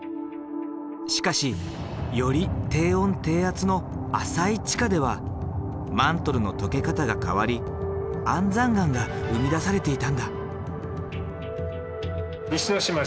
しかしより低温低圧の浅い地下ではマントルの溶け方が変わり安山岩が生み出されていたんだ。